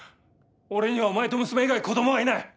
俺にはお前と娘以外子どもはいない。